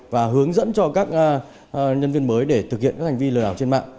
và hướng dẫn cho các nhân viên mới để thực hiện các hành vi lừa đảo trên mạng